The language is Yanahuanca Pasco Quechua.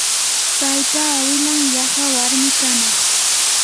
paypa awilan yaqa warmi kanaq.